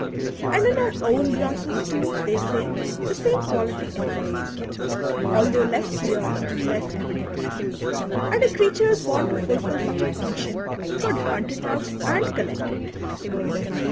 ^ And in our own grasses too, they say, the same quality exists, although less clear and less evident ; and a creature born to fulfil such a function could hunt it out and collect it.